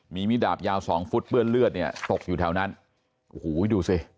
มีมิดดาบยาวสองฟุตเปื้อนเลือดเนี่ยตกอยู่แถวนั้นโอ้โหดูสิ